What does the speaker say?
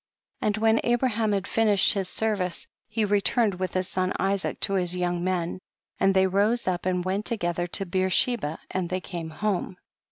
87. And when Abraham had finished his service he returned with his son Isaac to his young men, and they rose up and went together to Beersheba, and they came home.